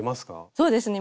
そうですね